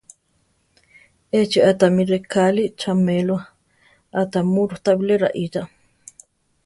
Échi a tamí rekáli chaʼméloa; atamúro ta bilé raʼícha.